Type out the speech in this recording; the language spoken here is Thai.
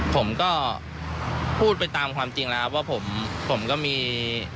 ผมก็พูดไปตามความจริงแล้วครับว่าผมผมก็มี